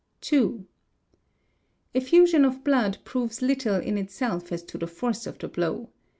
Effusion of blood proves little in itself as to the force of the blow.